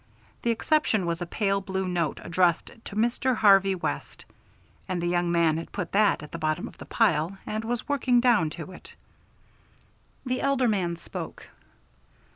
The exception was a pale blue note addressed to Mr. Harvey West, and the young man had put that at the bottom of the pile and was working down to it. The elder man spoke.